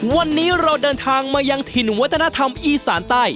วันนี้เราเดินทางมายังถิ่นวัฒนธรรมอีสานใต้